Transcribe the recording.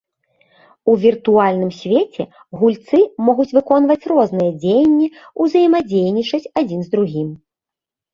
У віртуальным свеце гульцы могуць выконваць розныя дзеянні, узаемадзейнічаць адзін з другім.